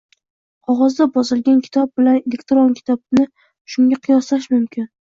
Qog‘ozda bosilgan kitob bilan elektron kitobni shunga qiyoslash mumkin.